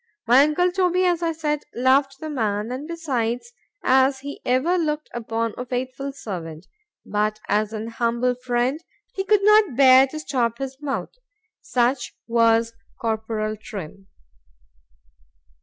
My uncle Toby, as I said, loved the man;——and besides, as he ever looked upon a faithful servant,—but as an humble friend,—he could not bear to stop his mouth.——Such was Corporal _Trim.